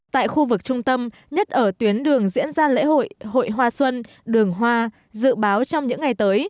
tại khu vực trung tâm nhất ở tuyến đường diễn ra lễ hội hội hoa xuân đường hoa dự báo trong những ngày tới